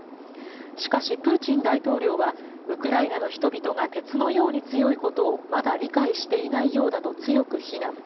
しかし、プーチン大統領は、ウクライナの人々が鉄のように強いことをまだ理解していないようだと強く非難。